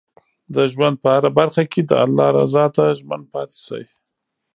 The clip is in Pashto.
د ژوند په هره برخه کې د الله رضا ته ژمن پاتې شئ.